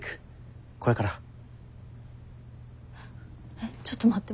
えっちょっと待って。